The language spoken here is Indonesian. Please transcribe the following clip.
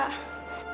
gak tahu kenapa